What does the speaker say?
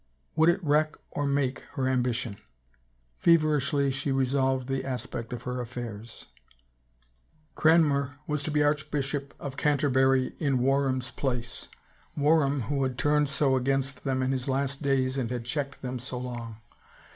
Would it wreck or make her ambition? Feverishly she revolved the aspect of her affairs. Cranmer was to be Archbishop of Canterbury in War ham's place — Warham who had turned so against them in his last days and had checked them so long.